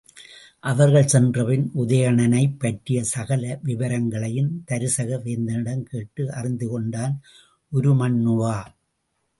அவர்கள் சென்றபின் உதயணனைப் பற்றிய சகல விவரங்களையும் தருசக வேந்தனிடம் கேட்டு அறிந்துகொண்டான் உருமண்ணுவா.